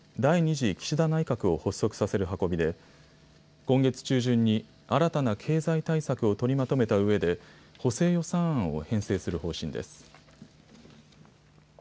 次岸田内閣を発足させる運びで、今月中旬に新たな経済対策を取りまとめたうえで補正予算案を編成する方針です。